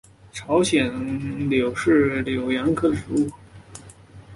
朝鲜柳是杨柳科柳属的植物。